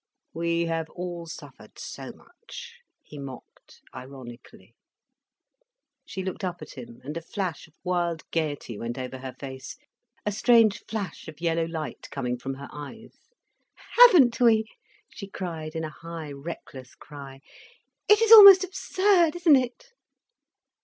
"We have all suffered so much," he mocked, ironically. She looked up at him, and a flash of wild gaiety went over her face, a strange flash of yellow light coming from her eyes. "Haven't we!" she cried, in a high, reckless cry. "It is almost absurd, isn't it?"